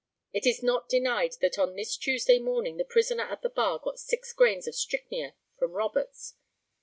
It is not denied that on this Tuesday morning the prisoner at the bar got six grains of strychnia from Roberts.